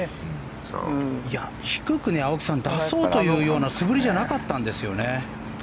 低く、青木さん出そうというような素振りじゃなかったんですよね。